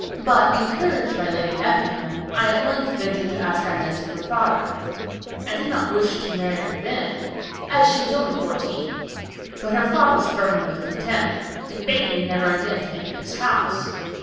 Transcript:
But, encouraged by Lady Effingham, I at length ventured to ask Inez of her father. I did not wish to marry her then, as she was only fourteen, but her father spurned me with contempt, and bade me never again enter his house.